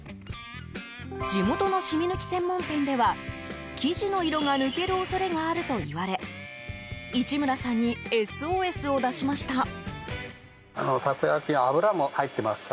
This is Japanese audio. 地元のシミ抜き専門店では生地の色が抜ける恐れがあると言われ市村さんにＳＯＳを出しました。